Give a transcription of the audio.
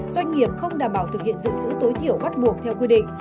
doanh nghiệp không đảm bảo thực hiện dự trữ tối thiểu bắt buộc theo quy định